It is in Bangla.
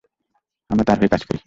আমরা তার হয়ে কাজ করি।